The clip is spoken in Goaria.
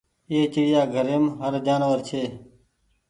اي چڙيا گهريم هر جآنور ڇي۔